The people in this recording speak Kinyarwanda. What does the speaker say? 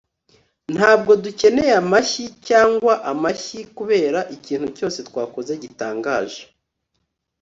ntabwo dukeneye amashyi cyangwa amashyi kubera ikintu cyose twakoze gitangaje